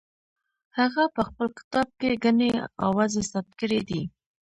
هغه په خپل کتاب کې ګڼې اوازې ثبت کړې دي.